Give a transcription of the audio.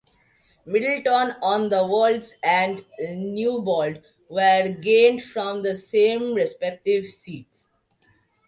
Middleton on the Wolds and Newbald were gained from the same respective seats.